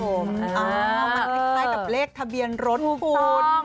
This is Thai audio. เหมือนกับเลขทะเบียนรถคุณ